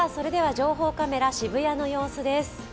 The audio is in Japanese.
情報カメラ、渋谷の様子です。